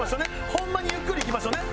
ホンマにゆっくりいきましょうね。